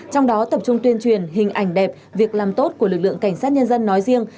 trong đó tập trung tuyên truyền hình ảnh đẹp việc làm tốt của lực lượng cảnh sát nhân dân nói riêng